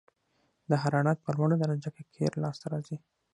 د حرارت په لوړه درجه کې قیر لاسته راځي